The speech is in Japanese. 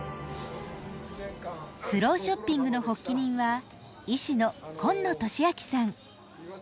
スローショッピングの発起人は医師の紺野敏昭さん。